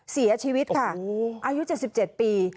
เสียชีวิตค่ะอายุ๗๗ปี